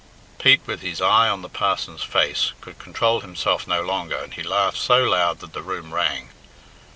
Pete, with his eye on the parson's face, could control himself no longer, and he laughed so loud that the room rang.